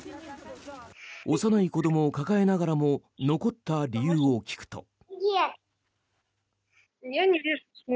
幼い子どもを抱えながらも残った理由を聞くと。